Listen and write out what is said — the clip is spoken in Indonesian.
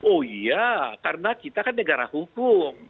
oh iya karena kita kan negara hukum